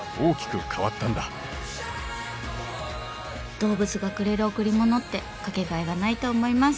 動物がくれる贈り物って掛けがえがないと思います。